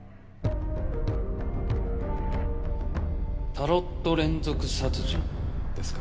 「タロット連続殺人」ですか。